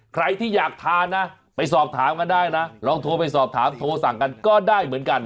ใครที่อยากทานนะไปสอบถามกันได้นะลองโทรไปสอบถามโทรสั่งกันก็ได้เหมือนกัน